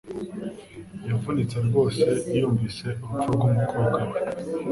Yavunitse rwose yumvise urupfu rwumukobwa we